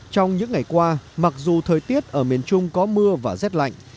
trong những ngày qua mặc dù thời tiết ở miền trung có mưa và rét lạnh